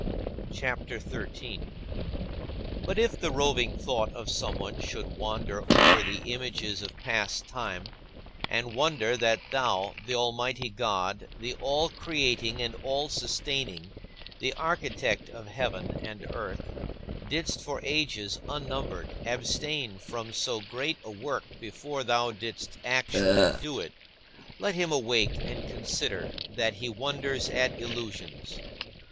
CHAPTER XIII 15. But if the roving thought of someone should wander over the images of past time, and wonder that thou, the Almighty God, the All creating and All sustaining, the Architect of heaven and earth, didst for ages unnumbered abstain from so great a work before thou didst actually do it, let him awake and consider that he wonders at illusions.